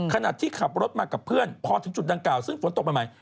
ขณะที่ขับรถมากับเพื่อนพอถึงจุดดังกล่าวซึ่งฝนตกใหม่